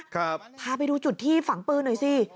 พาไปดูจุดที่ฝังปืนหน่อยสิ